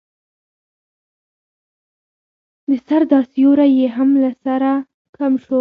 د سر دا سيوری يې هم له سره کم شو.